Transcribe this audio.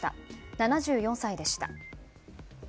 ７４歳でした。